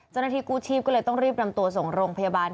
เจ้าหน้าที่กู้ชีพก็เลยต้องรีบนำตัวส่งโรงพยาบาล